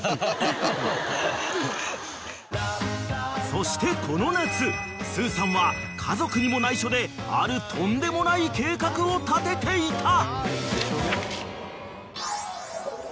［そしてこの夏すーさんは家族にも内緒であるとんでもない計画を立てていた］